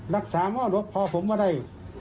ลักษาม่วนพ่อผมอะไร